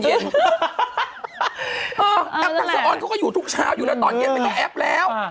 แอปทักษะออนเขาก็อยู่ทุกเช้าอยู่แล้วตอนเย็นไม่ต้องแอปแล้ว